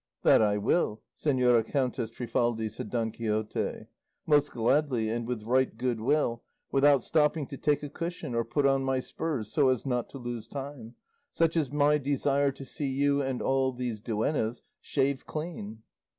"That I will, Señora Countess Trifaldi," said Don Quixote, "most gladly and with right goodwill, without stopping to take a cushion or put on my spurs, so as not to lose time, such is my desire to see you and all these duennas shaved clean."